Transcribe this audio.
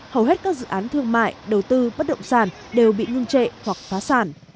hầu hết các dự án thương mại đầu tư bất động sản đều bị ngưng trệ hoặc phá sản